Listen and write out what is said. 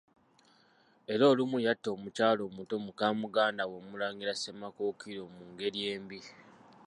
Era olumu yatta omukyala omuto muka muganda we Omulangira Ssemakookiro mu ngeri embi.